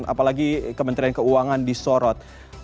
apalagi kementerian keuangan disorot